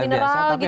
oh air mineral gitu